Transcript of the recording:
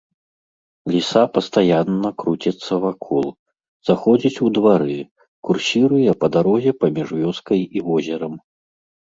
Ліса пастаянна круціцца вакол, заходзіць у двары, курсіруе па дарозе паміж вёскай і возерам.